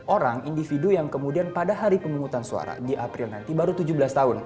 orang individu yang kemudian pada hari pemungutan suara di april nanti baru tujuh belas tahun